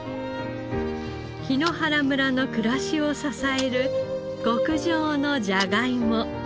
檜原村の暮らしを支える極上のじゃがいも。